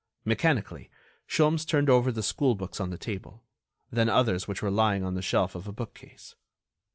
Mechanically, Sholmes turned over the school books on the table; then others which were lying on the shelf of a bookcase.